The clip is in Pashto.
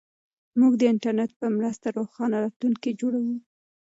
موږ د انټرنیټ په مرسته روښانه راتلونکی جوړوو.